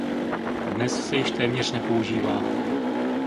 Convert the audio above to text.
Dnes se již téměř nepoužívá.